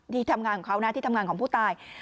ที่ทำงานของเขานะที่ทำงานของผู้ตาย